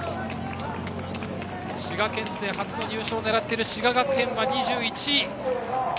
滋賀県勢初の入賞を狙っている滋賀学園は２１位。